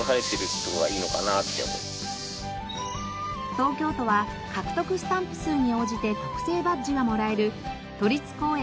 東京都は獲得スタンプ数に応じて特製バッジがもらえる都立公園